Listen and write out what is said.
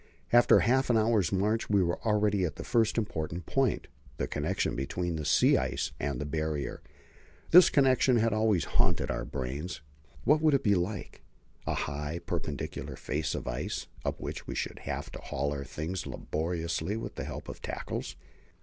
After half an hour's march we were already at the first important point the connection between the sea ice and the Barrier. This connection had always haunted our brains. What would it be like? A high, perpendicular face of ice, up which we should have to haul our things laboriously with the help of tackles?